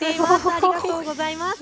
ありがとうございます。